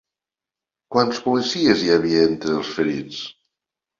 Quants policies hi havia entre els ferits?